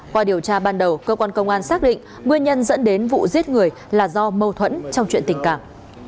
qua điều tra ban đầu cơ quan công an xác định nguyên nhân dẫn đến vụ giết người là do mâu thuẫn trong chuyện tình cảm